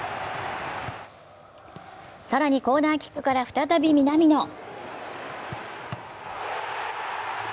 更にコーナーキックから再び南野。